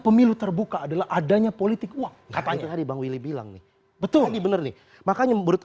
pemilu terbuka adalah adanya politik uang katanya di bangwili bilang betul bener nih makanya menurut